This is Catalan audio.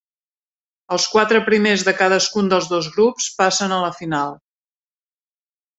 Els quatre primers de cadascun dels dos grups passen a la final.